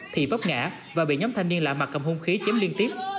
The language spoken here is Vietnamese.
thì vấp ngã và bị nhóm thanh niên lạ mặt cầm hung khí chém liên tiếp